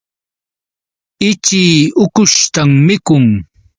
Ichii ukushtam mikun.